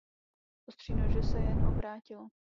Ostří nože se jen obrátilo.